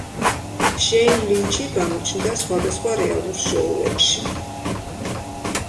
შეინ ლინჩი გამოჩნდა სხვადასხვა რეალურ შოუებში.